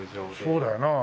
そうだよな。